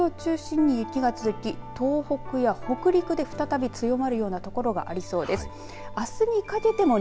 このあとも日本海側の地域を中心に雪が続き東北や北陸で再び強まるような所がありそうです。